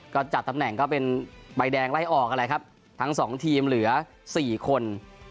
ก็จัดตำแหน่งก็เป็นใบแดงไล่ออกนั่นแหละครับทั้งสองทีมเหลือสี่คน